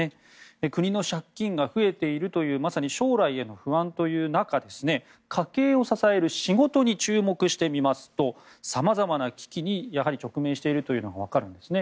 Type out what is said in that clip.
国の借金が増えているというまさに将来の不安という中家計を支える仕事に注目してみますと様々な危機にやはり直面しているというのがわかるんですね。